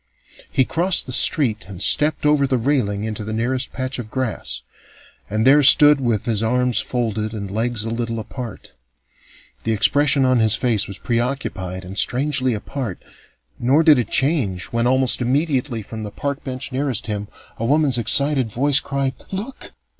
He crossed the street and stepped over the railing into the nearest patch of grass, and there stood with arms folded and legs a little apart. The expression on his face was preoccupied and strangely apart, nor did it change when, almost immediately from the park bench nearest him, a woman's excited voice cried: "Look!